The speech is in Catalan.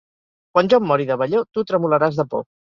Quan jo em mori de vellor tu tremolaràs de por.